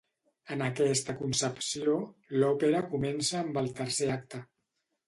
En aquesta concepció, l'òpera comença amb el tercer acte.